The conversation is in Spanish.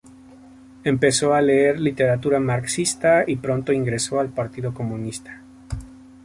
Empezó a leer literatura marxista y pronto ingresó al Partido Comunista.